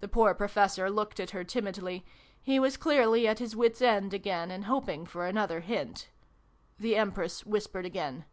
The poor Professor looked at her timidly : he was clearly at his wits' end again, and hoping for another hint. The Empress whispered again.